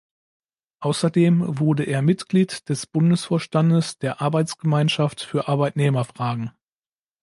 Außerdem wurde er Mitglied des Bundesvorstandes der Arbeitsgemeinschaft für Arbeitnehmerfragen.